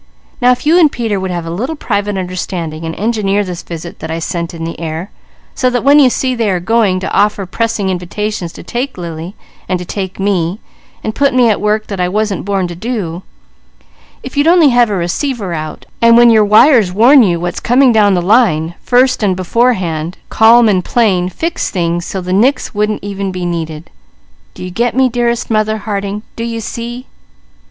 Now if you and Peter would have a little private understanding and engineer this visit that I scent in the air, so that when you see they are going to offer pressing invitations to take Lily, and to take me, and put me at work that I wasn't born to do; if you'd only have a receiver out, and when your wires warn you what's coming down the line, first and beforehand, calm and plain, fix things so the nix wouldn't even be needed; do you get me, dearest Mother Harding, do you see?"